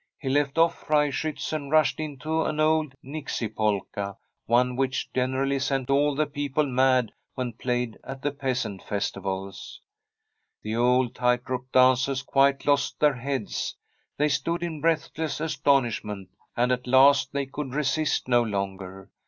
He left oflf ' Freischiitz ' and rushed into an old * Nixie Polka,' one which generally sent all the people mad when played at the peasant festivals. The old tight rope dancers quite lost their heads. They stood in breathless astonishment, and at last they could resist no longer.